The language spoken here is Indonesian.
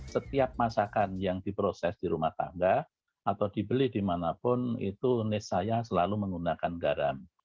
setiap masakan yang diproses di rumah tangga atau dibeli dimanapun itu nis saya selalu menggunakan garam